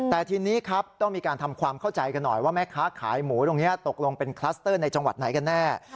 แต่ทีนี้ครับต้องมีการทำความเข้าใจกันหน่อยว่าแม่ค้าขายหมูตรงนี้ตกลงเป็นคลัสเตอร์ในจังหวัดไหนกันแน่